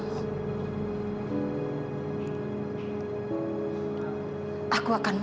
itu tulus untuk kamu